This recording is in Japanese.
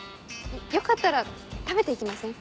よかったら食べて行きません？